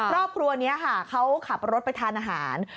ครอบครัวนี้ค่ะเขาขับรถไปทานอาหาร